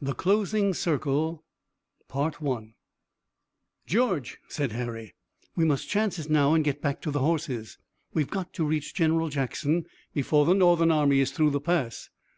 THE CLOSING CIRCLE "George," said Harry, "we must chance it now and get back to the horses. We've got to reach General Jackson before the Northern army is through the pass."